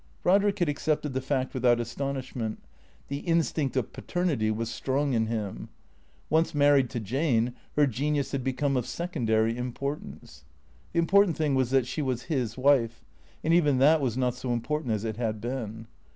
Brodrick had accepted the fact without astonishment. The instinct of paternity was strong in him. Once married to Jane her genius had become of secondary importance. The important thing was that she was his wife; and even that was not so im portant as it had been.